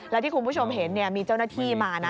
แล้วที่คุณผู้ชมเห็นมีเจ้าหน้าที่มานะ